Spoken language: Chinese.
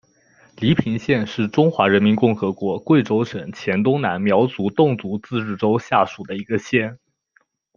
黎平县是中华人民共和国贵州省黔东南苗族侗族自治州下属的一个县。